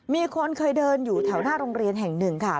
มีคนเคยเดินอยู่แถวหน้าโรงเรียนแห่งหนึ่งค่ะ